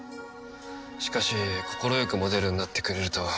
しかし快くモデルになってくれるとは。